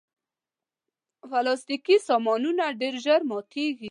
پلاستيکي سامانونه ډېر ژر ماتیږي.